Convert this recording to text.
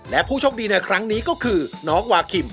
และผู้โชคดีในครั้งนี้ก็คือน้องวาคิม